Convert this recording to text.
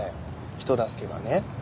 人助けがね。